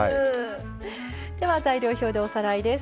材料表でおさらいです。